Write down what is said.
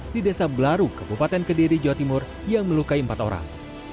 di desa belaru kebupaten kediri jawa timur yang melukai empat orang